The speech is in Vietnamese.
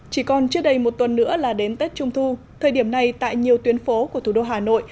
chỉ còn chưa đầy một tuần nữa là đến tết trung thu thời điểm này tại nhiều tuyến phố của thủ đô hà nội